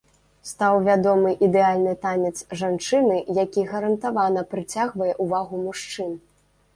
Стаў вядомы ідэальны танец жанчыны, які гарантавана прыцягвае ўвагу мужчын.